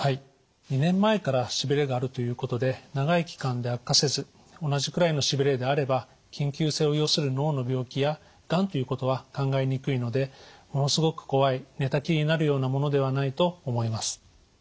２年前からしびれがあるということで長い期間で悪化せず同じくらいのしびれであれば緊急性を要する脳の病気やがんということは考えにくいのでものすごく怖い寝たきりになるようなものではないと思います。